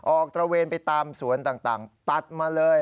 ตระเวนไปตามสวนต่างตัดมาเลย